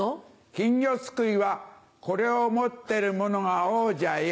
金魚すくいはこれを持ってる者が王者よ！